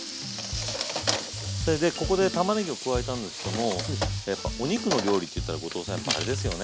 それでここでたまねぎを加えたんですけどもやっぱお肉の料理っていったら後藤さんやっぱあれですよね？